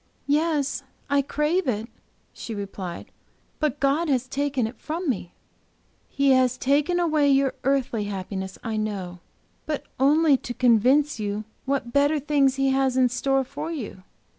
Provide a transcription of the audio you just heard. "Yes, I crave it," she replied, "but God has taken it from me. "He has taken away your earthly happiness, I know, but only to convince you what better things He has in store for you.